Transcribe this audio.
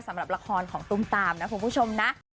สำหรับละครของตุ้มตามนะคุณผู้ชมนะ